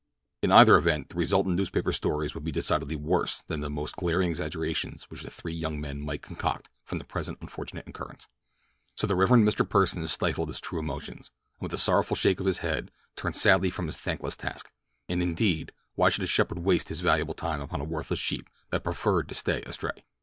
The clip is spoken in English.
In either event the resultant newspaper stories would be decidedly worse than the most glaring exaggerations which the three young men might concoct from the present unfortunate occurrence. So the Rev. Mr. Pursen stifled his true emotions, and with a sorrowful shake of his head turned sadly from his thankless task; and, indeed, why should a shepherd waste his valuable time upon a worthless sheep that preferred to stay astray?